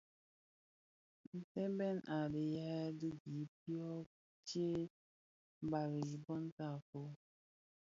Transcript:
Ntèbèn a dhiyaï di gib dio kè tsee bali i bon tafog.